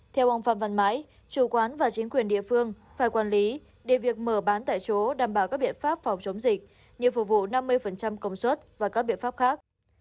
theo ông phạm văn mãi chủ quán và chính quyền địa phương phải quản lý để việc mở bán tại chỗ đảm bảo các biện pháp phòng chống dịch như phục vụ năm mươi công suất và các biện pháp khác